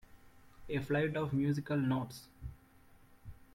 A flight of musical notes.